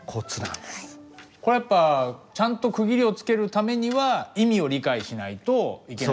これやっぱちゃんと区切りをつけるためには意味を理解しないといけない。